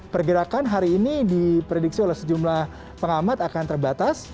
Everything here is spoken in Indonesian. pergerakan hari ini diprediksi oleh sejumlah pengamat akan terbatas